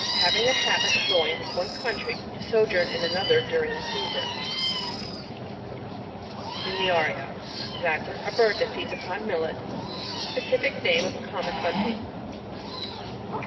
— Having the habit of go ing from one country to sojourn in another, du ling a season. MiUARiA. — Latin. A bird that feeds upon millet SpeciEc name of the common Bunting.